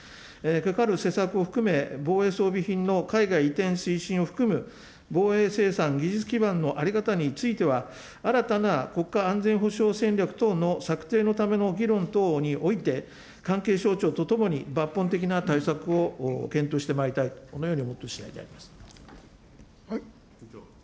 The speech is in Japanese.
かかる施策を含め、防衛装備品の海外移転推進を含む、防衛生産技術基盤の在り方については、新たな国家安全保障戦略等の策定のための議論等において、関係省庁とともに、抜本的な対策を検討してまいりたい、このように思っているしだいであります。